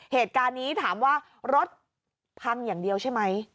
เหตุการณ์นี้ถามว่ารถพังอย่างเดียวใช่ไหม